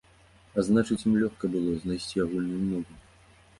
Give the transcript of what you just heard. А значыць, ім лёгка было знайсці агульную мову.